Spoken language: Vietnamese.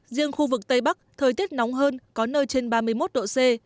riêng khu vực tây bắc thời tiết nóng hơn có nơi trên ba mươi một độ c